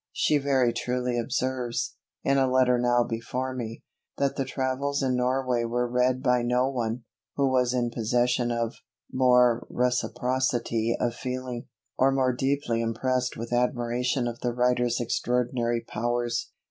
She very truly observes, in a letter now before me, that the Travels in Norway were read by no one, who was in possession of "more reciprocity of feeling, or more deeply impressed with admiration of the writer's extraordinary powers."